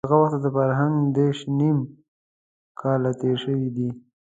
له هغه وخته د فرهنګ دېرش نيم کاله تېر شوي دي.